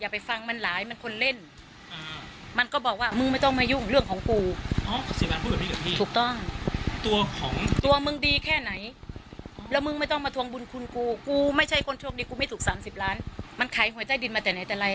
แม่ส่งเรียนแม่ขายควายส่งเรียนเย็บผ้าก็ไม่ทำเป็นคนมักง่าย